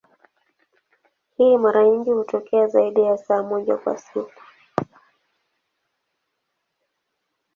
Hii mara nyingi hutokea zaidi ya saa moja kwa siku.